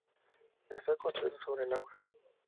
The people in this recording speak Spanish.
Está construido sobre el agua.